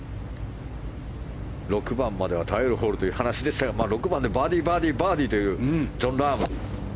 ６番までは耐えるホールという話でしたが６番でバーディーバーディー、バーディーというジョン・ラーム。